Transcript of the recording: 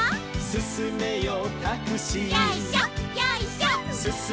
「すすめよタクシー」